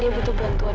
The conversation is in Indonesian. dia butuh bantuan